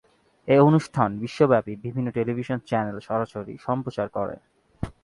এ অনুষ্ঠান বিশ্বব্যাপী বিভিন্ন টেলিভিশন চ্যানেল সরাসরি সম্প্রচার করে।